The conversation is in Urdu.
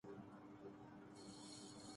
تمام مسلمانوں کو ترکی کا ساتھ دینا چاہئے